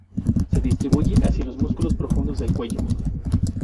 Se distribuye hacia los músculos profundos del cuello.